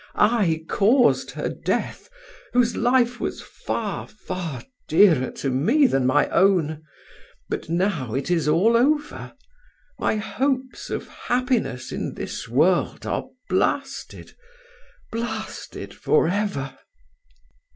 "I caused her death, whose life was far, far dearer to me than my own. But now it is all over, my hopes of happiness in this world are blasted, blasted for ever."